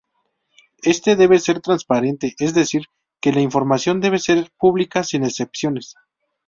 Este debe ser transparente; es decir que la información debe ser pública sin excepciones.